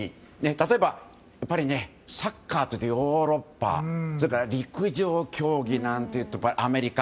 例えばサッカーというとヨーロッパそれから陸上競技なんていうとアメリカ。